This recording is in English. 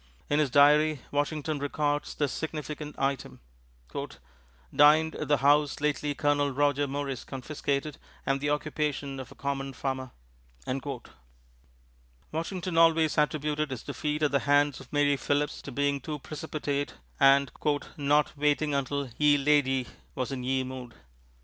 In his diary, Washington records this significant item: "Dined at the house lately Colonel Roger Morris confiscated and the occupation of a common Farmer." Washington always attributed his defeat at the hands of Mary Philipse to being too precipitate and "not waiting until ye ladye was in ye mood."